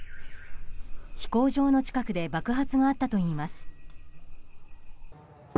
飛行場の近くで爆発があったといいます。